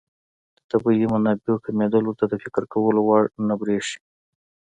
د طبیعي منابعو کمېدل ورته د فکر کولو وړ نه بريښي.